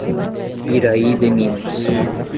Iraí de Minas